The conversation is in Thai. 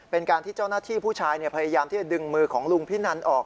เป็นการที่เจ้าหน้าที่ผู้ชายพยายามที่จะดึงมือของลุงพินันออก